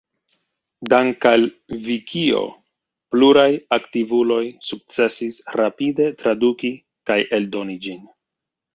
Dank'al Vikio, pluraj aktivuloj sukcesis rapide traduki kaj eldoni ĝin.